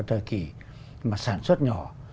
thời kỳ mà sản xuất nhỏ